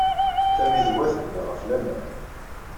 Tammidwa tebna ɣef laman.